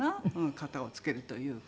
片を付けるというか。